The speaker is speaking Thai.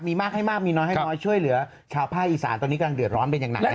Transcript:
มีมากให้มากมีน้อยให้น้อยช่วยเหลือชาวภาคอีสานตอนนี้กำลังเดือดร้อนเป็นอย่างหนัก